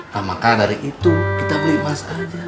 nah maka dari itu kita beli emas aja